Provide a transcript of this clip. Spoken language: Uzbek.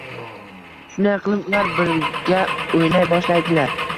Shunday qilib ular birga o‘ynay boshlaydilar